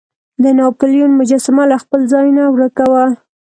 د ناپلیون مجسمه له خپل ځای نه ورک وه.